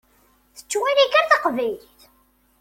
Tettwali kan taqbaylit.